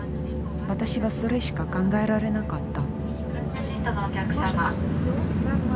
私はそれしか考えられなかった。